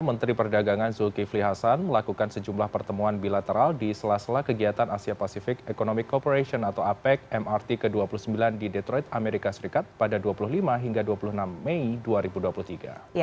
menteri perdagangan zulkifli hasan melakukan sejumlah pertemuan bilateral di sela sela kegiatan asia pacific economic cooperation atau apec mrt ke dua puluh sembilan di detroit amerika serikat pada dua puluh lima hingga dua puluh enam mei dua ribu dua puluh tiga